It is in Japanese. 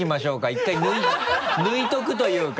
１回抜いておくというか。